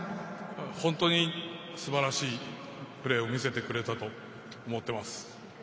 本当にすばらしいプレーを見せてくれたと思っています。